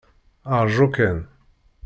Ṛju kan!